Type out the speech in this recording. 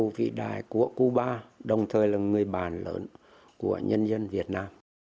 một vĩ đại của cuba đồng thời là người bàn lớn của nhân dân việt nam